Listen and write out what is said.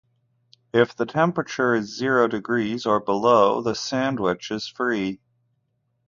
If the temperature is zero degrees or below the sandwich is free.